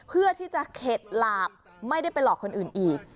เพื่อที่จะเข็ดหลาบไม่ได้ไปหลอกคนอื่นอีก